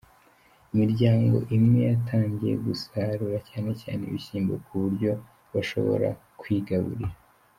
Imiryango imwe yatangiye gusarura, cyane cyane ibishyimbo ku buryo bashobora kwigaburira.